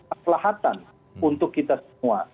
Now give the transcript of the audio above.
kekelahatan untuk kita semua